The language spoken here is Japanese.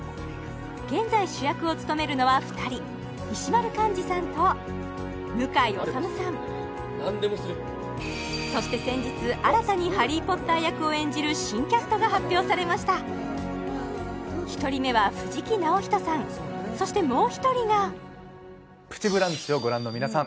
現在主役を務めるのは２人石丸幹二さんと向井理さんそして先日新たにハリー・ポッター役を演じる新キャストが発表されました１人目は藤木直人さんそしてもう一人が「プチブランチ」をご覧の皆さん